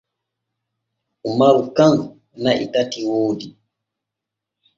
Umaru kan na’i tati woodi.